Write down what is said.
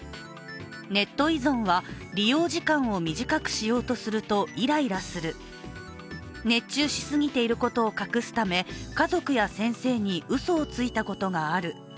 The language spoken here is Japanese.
ネット依存は、利用時間を短くしようとするとイライラする熱中しすぎていることを隠すため家族や先生にうそをついたことがある。